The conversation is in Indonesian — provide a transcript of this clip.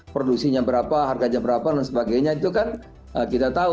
produksinya berapa harganya berapa dan sebagainya itu kan kita tahu